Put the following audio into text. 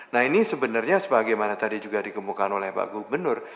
nah ini sebenarnya sebagaimana tadi juga dikemukakan oleh pak gubernur